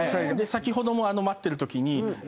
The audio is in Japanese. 先ほども待ってる時に。